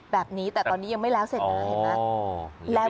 แบบนี้แต่ตอนนี้ยังไม่แล้วเสร็จนะเห็นไหม